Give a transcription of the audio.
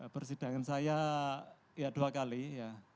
persidangan saya ya dua kali ya